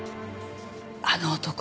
あの男